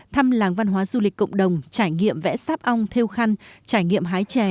thăm làng văn hóa du lịch cộng đồng trải nghiệm vẽ sáp ong theo khăn trải nghiệm hái chè